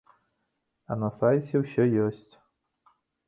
А на сайце ўсё ёсць.